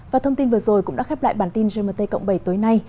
và thông tin vừa rồi cũng đã khép lại bản tin gmt cộng bảy tối nay